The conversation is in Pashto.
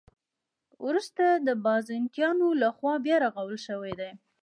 وروسته د بازنطینانو له خوا بیا رغول شوې دي.